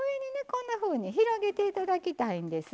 こんなふうに広げて頂きたいんです。